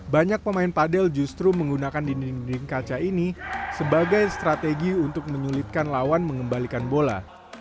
banyak pemain padel justru menggunakan dinding dinding kaca ini sebagai strategi untuk menyulitkan lawan mengembalikan bola